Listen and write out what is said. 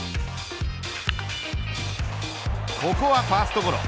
ここはファーストゴロ。